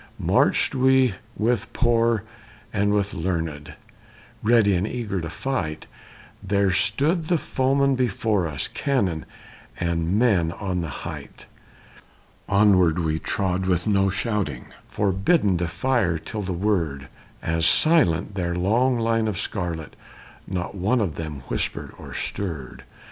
Marched we with Poor and with Learned, ready and eager to fight; There stood the foemen before us, cannon and men on the height; Onward we trod with no shouting, forbidden to fire till the word; As silent their long line of scarlet not one of them whispered or stirred.